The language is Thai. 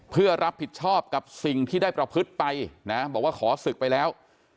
เพื่อรับผิดชอบกับสิ่งที่ได้ประพฤติไปนะบอกว่าขอศึกไปแล้ว